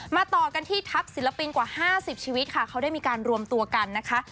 ต่อกันที่ทัพศิลปินกว่า๕๐ชีวิตค่ะเขาได้มีการรวมตัวกันนะคะ